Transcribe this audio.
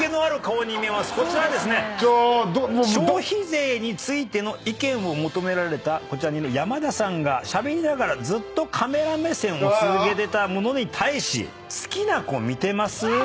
消費税についての意見を求められた山田さんがしゃべりながらずっとカメラ目線を続けてたものに対し。